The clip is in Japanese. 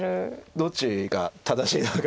どっちが正しいのか。